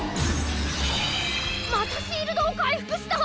またシールドを回復した！